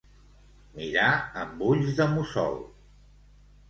Mirar amb ulls de mussol.